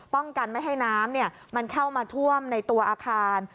ป้องกันไม่ให้น้ำมันเข้ามาท่วมในตัวอาคาร